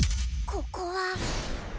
ここは。